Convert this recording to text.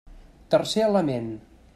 Tercer element.